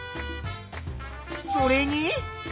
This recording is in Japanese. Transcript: それに？